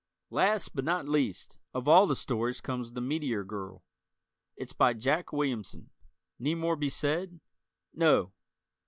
Last, but not least, of all the stories comes "The Meteor Girl." It's by Jack Williamson: need more be said? No!